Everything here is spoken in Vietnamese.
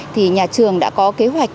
thì nhà trường đã có kế hoạch